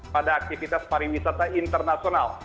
pada aktivitas pariwisata internasional